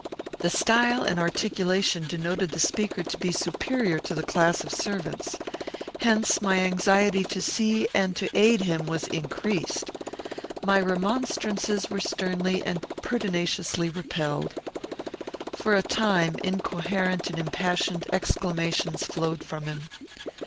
The style and articulation denoted the speaker to be superior to the class of servants. Hence my anxiety to see and to aid him was increased. My remonstrances were sternly and pertinaciously repelled. For a time, incoherent and impassioned exclamations flowed from him.